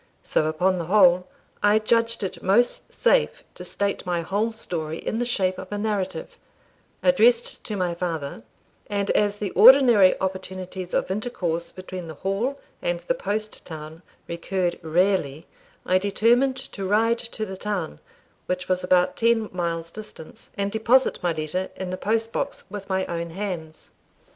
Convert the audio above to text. So, upon the whole, I judged it most safe to state my whole story in the shape of a narrative, addressed to my father; and as the ordinary opportunities of intercourse between the Hall and the post town recurred rarely, I determined to ride to the town, which was about ten miles' distance, and deposit my letter in the post office with my own hands.